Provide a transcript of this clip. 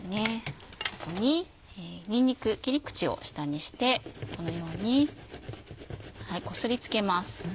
ここににんにく切り口を下にしてこのようにこすりつけます。